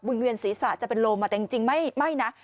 เวียนศีรษะจะเป็นลมแต่จริงไม่นะ